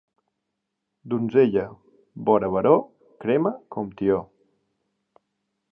Donzella vora baró crema com tió.